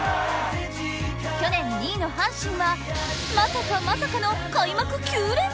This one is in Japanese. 去年２位の阪神はまさかまさかの開幕９連敗。